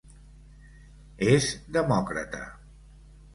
És demòcrata.